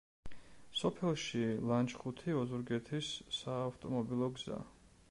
სოფელში ლანჩხუთი-ოზურგეთის საავტომობილო გზა.